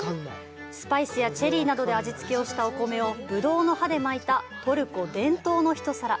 スパイスやチェリーなどで味付けしたお米をブドウの葉で巻いたトルコ伝統の一皿。